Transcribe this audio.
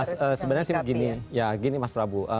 sebenarnya sih begini ya gini mas prabu